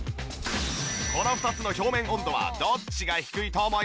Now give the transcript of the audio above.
この２つの表面温度はどっちが低いと思いますか？